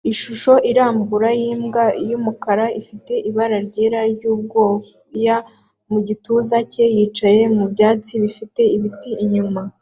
Ishusho irambuye yimbwa yumukara ifite ibara ryera ryubwoya mu gituza cye yicaye mu byatsi bifite ibiti inyuma